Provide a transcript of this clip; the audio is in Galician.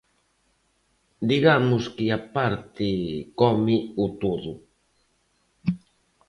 Digamos que a parte come o todo.